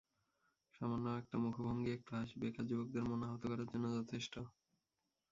সামান্য একটা মুখভঙ্গি, একটু হাসিই বেকার যুবকদের মন-আহত করার জন্য যথেষ্ট।